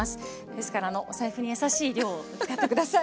ですからお財布に優しい量を使って下さい。